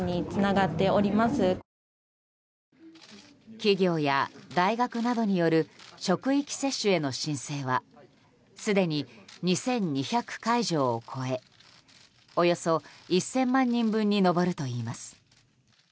企業や大学などによる職域接種への申請はすでに２２００会場を超えおよそ１０００万人分に上るといいます。